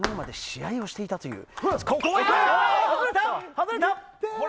外れた！